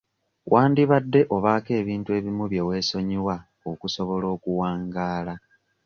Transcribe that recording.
Wandibadde obaako ebintu ebimu bye weesonyiwa okusobola okuwangaala.